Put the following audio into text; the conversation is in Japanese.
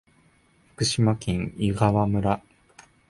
福島県湯川村